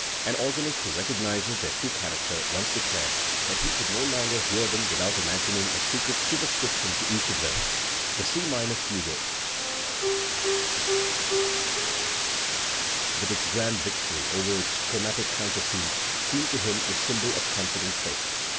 An organist who recognised their true character once declared that he could no longer hear them without imagining a secret superscription to each of them. The C minor Fugue is The Weimar Preludes and Fugues, 275 with its grand victory over its chromatic counter theme, seemed to him the symbol of confident, faith.